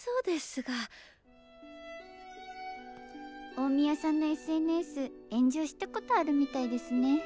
大宮さんのＳＮＳ炎上したことあるみたいですね。